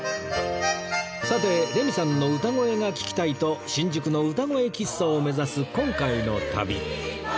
さてレミさんの歌声が聴きたいと新宿のうたごえ喫茶を目指す今回の旅